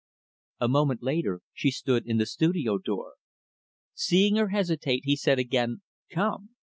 A moment later, she stood in the studio door. Seeing her hesitate, he said again, "Come."